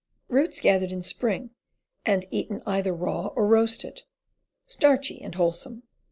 Roots gathered in spring and eaten either raw or roasted. Starchy and wholesome.